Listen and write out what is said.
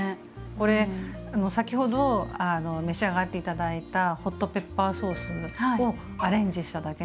これ先ほど召し上がって頂いたホットペッパーソースをアレンジしただけなんです。